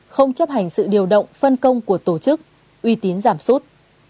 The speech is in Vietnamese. không chấp hành sự điều động phân công của tổ chức uy tín giảm sút